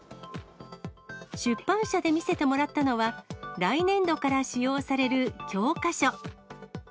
出版社で見せてもらったのは、来年度から使用される教科書。